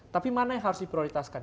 tapi mana yang harus diprioritaskan